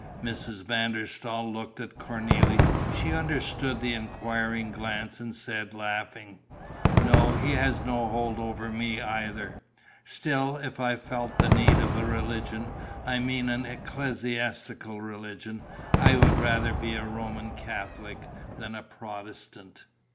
Mrs. van der Staal looked at Cornélie. She understood the enquiring glance and said, laughing: "No, he has no hold over me either. Still, if I felt the need of a religion, I mean an ecclesiastical religion, I would rather be a Roman Catholic than a Protestant.